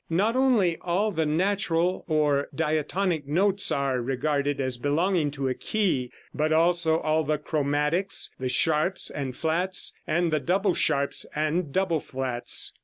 Not only all the natural or diatonic notes are regarded as belonging to a key, but also all the chromatics, the sharps and flats, and the double sharps and double flats.